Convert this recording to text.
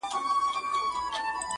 اشنا د بل وطن سړی دی،